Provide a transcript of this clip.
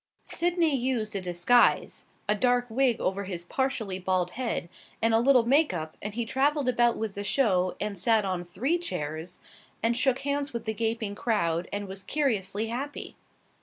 Sydney used a disguise a dark wig over his partially bald head and a little make up and he traveled about with the show and sat on three chairs, and shook hands with the gaping crowd, and was curiously happy.